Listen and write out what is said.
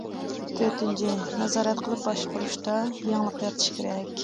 تۆتىنچى، نازارەت قىلىپ باشقۇرۇشتا يېڭىلىق يارىتىش كېرەك.